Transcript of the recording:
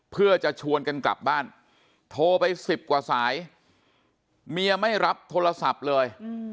เพื่อจะชวนกันกลับบ้านโทรไป๑๐กว่าสายเมียไม่รับโทรศัพท์เลย